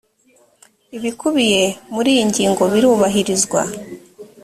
ibikubiye muri iyi ngingo birubahirizwa.